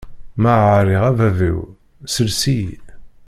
Ma ɛriɣ a bab-iw, ssels-iyi!